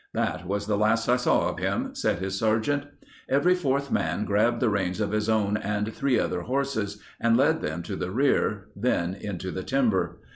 "That was the last I saw of him," said his sergeant. Every fourth man grabbed the reins of his own and three other horses and led them to the rear, then into the timber.